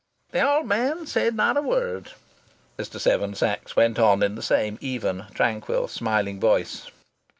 "The old man said not a word," Mr. Seven Sachs went on in the same even, tranquil, smiling voice.